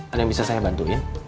ada yang bisa saya bantuin